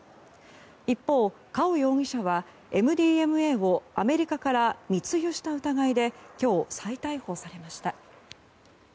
一方、カオ容疑者はＭＤＭＡをアメリカから密輸した疑いで今日、再逮捕されました。